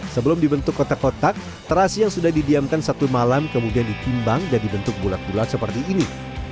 sebelum dibentuk kotak kotak terasi yang sudah didiamkan satu malam kemudian ditimbang dan dibentuk bulat bulat seperti ini